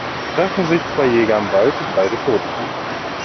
Treffen sich zwei Jäger im Wald - beide tot.